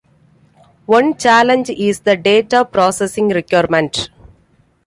One challenge is the data processing requirement.